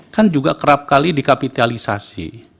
kan juga kerap kali dikapitalisasi